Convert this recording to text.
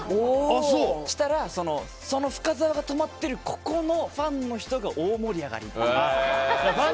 そしたら、その深澤が止まっている箇所でここのファンの人が大盛り上がりっていう。